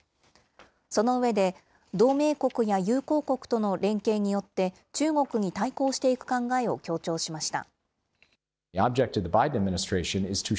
その上で、同盟国や友好国との連携によって、中国に対抗していく考えを強調しました。